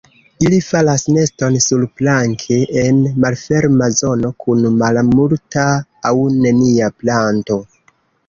Ili faras neston surplanke en malferma zono kun malmulta aŭ nenia planto.